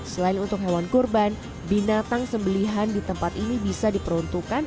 selain untuk hewan kurban binatang sembelihan di tempat ini bisa diperuntukkan